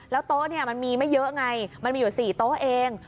โต๊ะมันมีไม่เยอะไงมันมีอยู่๔โต๊ะเอง